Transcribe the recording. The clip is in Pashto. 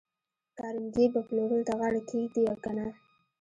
کارنګي به پلورلو ته غاړه کېږدي که نه